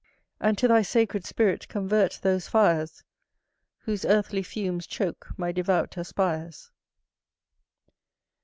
And to thy sacred Spirit convert those fires, Whose earthly fumes choke my devout aspires!"